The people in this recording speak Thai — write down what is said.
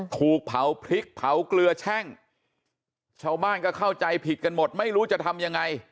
ถูกเผาพริกเผาเกลือแช่งชาวบ้านก็เข้าใจผิดกันหมดไม่รู้จะทำยังไง